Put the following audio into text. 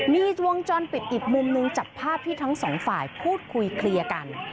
มีวงจรปิดอีกมุมหนึ่งจับภาพที่ทั้งสองฝ่ายพูดคุยเคลียร์กัน